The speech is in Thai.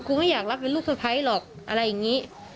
กูไม่อยากรับเป็นลูกสเป็นสไตล์หรอกอะไรอย่างงี้